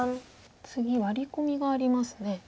次ワリ込みがありますね。